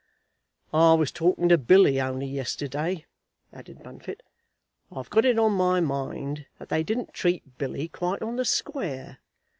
"I was talking to Billy only yesterday," added Bunfit. "I've got it on my mind that they didn't treat Billy quite on the square.